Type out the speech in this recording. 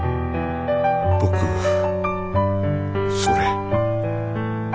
僕それ。